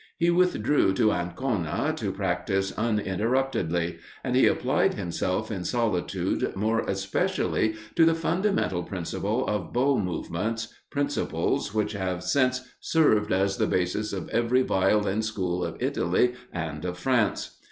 He withdrew to Ancona to practise uninterruptedly; and he applied himself in solitude more especially to the fundamental principle of bow movements, principles which have since served as the basis of every Violin school of Italy and of France.